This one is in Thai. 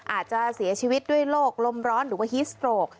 อาจจะเสียชีวิตด้วยโรคลมร้อนหรือว่าฮิสโตรก